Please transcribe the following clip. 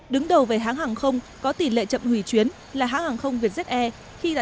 đứng đầu về hãng hàng không có tỷ lệ chậm hủy chuyến là hãng hàng không vietjet air